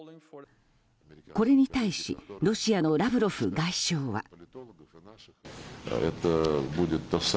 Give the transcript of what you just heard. これに対しロシアのラブロフ外相は。